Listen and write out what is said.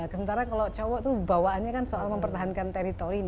sementara kalau cowok tuh bawaannya kan soal mempertahankan teritori